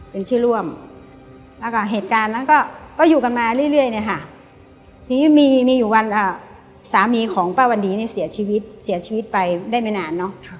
แล้วก็เหตุการณ์ก็อยู่กันมาเรื่อยนี่มีอยู่วันสามีของป้าวันดีเสียชีวิตไปได้ไม่นาน